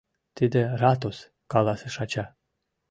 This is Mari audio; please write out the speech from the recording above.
— Тиде — ратус, — каласыш ача.